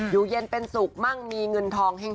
อยู่เย็นเป็นสุขมั่งมีเงินทองแห้ง